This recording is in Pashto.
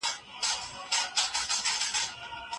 دغه لاره د ټولو په مشوره وټاکل سوه.